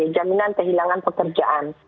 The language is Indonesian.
jaminan kehilangan pekerjaan